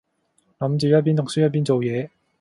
諗住一邊讀書一邊做嘢